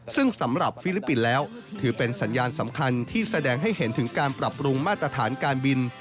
ซึ่งสำหรับฟิลิปปินส์แล้วถือเป็นสัญญาณสำคัญที่แสดงให้เห็นถึงการปรับปรุงมาตรฐานการบิน